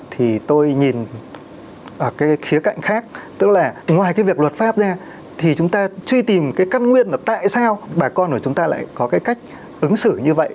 thì tôi nhìn ở cái khía cạnh khác tức là ngoài cái việc luật pháp ra thì chúng ta truy tìm cái cắt nguyên là tại sao bà con của chúng ta lại có cái cách ứng xử như vậy